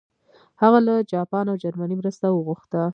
هغه له جاپان او جرمني مرسته وغوښته.